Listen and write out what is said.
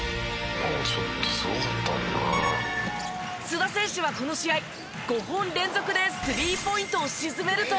須田選手はこの試合５本連続でスリーポイントを沈めると。